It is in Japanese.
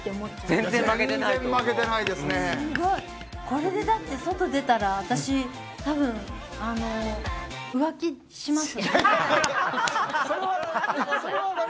これで、外に出たら私、多分浮気しますね。